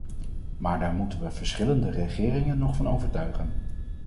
Maar daar moeten we verschillende regeringen nog van overtuigen.